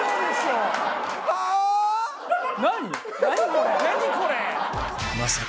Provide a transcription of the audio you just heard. これ！